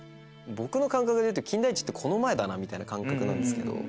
僕の感覚でいうと『金田一』ってこの前だなみたいな感覚ですけど。